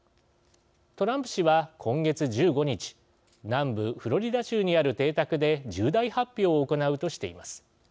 トランプ氏は今月１５日南部フロリダ州にある邸宅で重大発表を行うとしています。